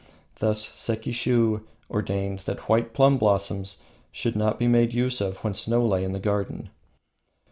Thus Sekishiu ordained that white plum blossoms should not be made use of when snow lay in the garden.